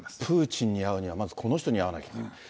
プーチンに会うにはまずこの人に会わなきゃいけない。